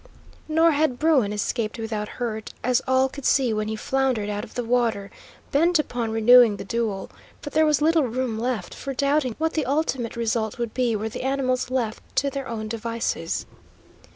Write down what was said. Nor had bruin escaped without hurt, as all could see when he floundered out of the water, bent upon renewing the duel; but there was little room left for doubting what the ultimate result would be were the animals left to their own devices.